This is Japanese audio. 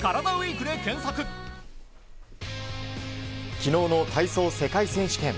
昨日の体操世界選手権。